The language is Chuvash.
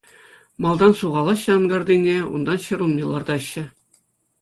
Малтан сухалаҫҫӗ анкартине, унтан ҫӗр улми лартаҫҫӗ.